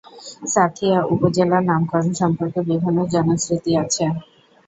সাঁথিয়া উপজেলার নামকরণ সম্পর্কে বিভিন্ন জনশ্রুতি আছে।